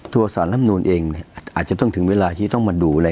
ทัวร์สารร่ำโนนเองอาจจะต้องมาดูหลายละเอียดหนึ่งนะครับ